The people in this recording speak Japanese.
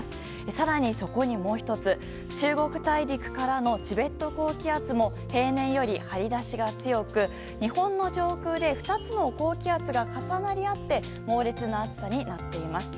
更に、そこにもう１つ中国大陸からのチベット高気圧も平年より張り出しが強く日本の上空で２つの高気圧が重なり合って猛烈な暑さになっています。